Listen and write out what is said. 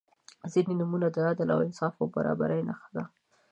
• ځینې نومونه د عدل، انصاف او برابري نښه ده.